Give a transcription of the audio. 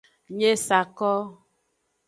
Nyi e sa ko.